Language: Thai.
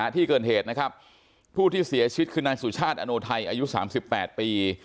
ที่เกิดเหตุนะครับผู้ที่เสียชีวิตคือนายสุชาติอโนไทยอายุ๓๘ปี